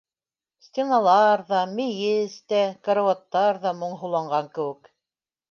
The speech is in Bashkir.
Стеналар ҙа, мейес тә, карауаттар ҙа моңһоуланған кеүек.